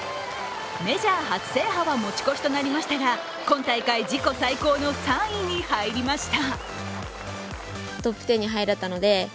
メジャー初制覇は持ち越しとなりましたが、今大会、自己最高の３位に入りました。